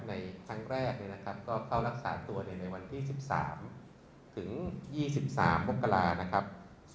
ในครั้งแรกก็เข้ารักษาตัวในวันที่๑๓ถึง๒๓มกรานะครับ